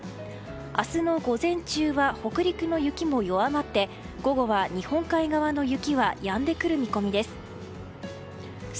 明日の午前中は北陸の雪も弱まって午後は日本海側の雪はやんでくる見込みです。